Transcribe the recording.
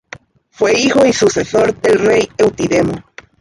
Fue hijo y sucesor del rey Eutidemo.